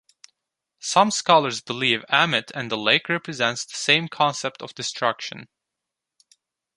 Some scholars believe Ammit and the lake represent the same concept of destruction.